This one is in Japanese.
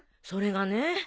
それがね